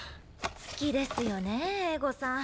好きですよね絵心さん。